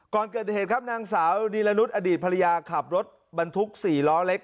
ก่อนเกิดเหตุครับนางสาวดีละนุษย์อดีตภรรยาขับรถบรรทุก๔ล้อเล็ก